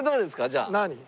じゃあ。何？